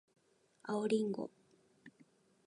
青りんご